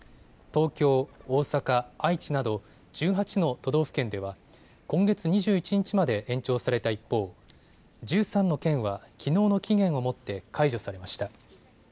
東京、大阪、愛知など１８の都道府県では今月２１日まで延長された一方、１３の県はきのうの期限をもって解除されました。